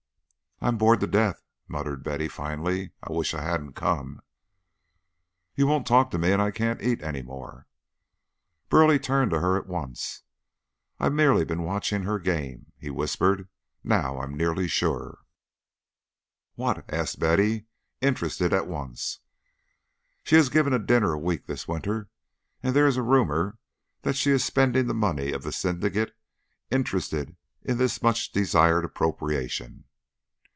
"I'm bored to death," muttered Betty, finally. "I wish I hadn't come. You won't talk to me and I can't eat any more." Burleigh turned to her at once. "I've merely been watching her game," he whispered. "Now, I'm nearly sure." "What?" asked Betty, interested at once. "She has given a dinner a week this winter, and there is a rumour that she is spending the money of the syndicate interested in this much desired appropriation.